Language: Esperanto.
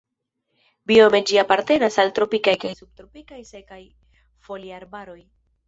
Biome ĝi apartenas al tropikaj kaj subtropikaj sekaj foliarbaroj.